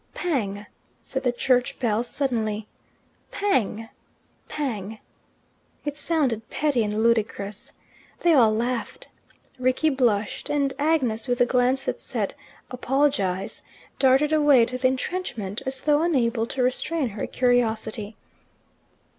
"Pang!" said the church bell suddenly; "pang! pang!" It sounded petty and ludicrous. They all laughed. Rickie blushed, and Agnes, with a glance that said "apologize," darted away to the entrenchment, as though unable to restrain her curiosity.